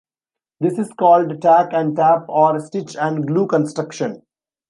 This is called tack and tape or stitch and glue construction.